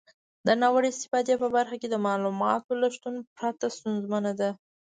د ناوړه استفادې په برخه کې د معلوماتو له شتون پرته ستونزمنه ده.